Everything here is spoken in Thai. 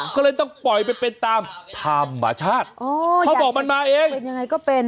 ก็เลยต้องปล่อยไปเป็นตามธรรมชาติเขาบอกมันมาเอง